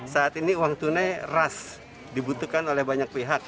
saat ini uang tunai ras dibutuhkan oleh banyak pihak